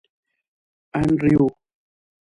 انډریو.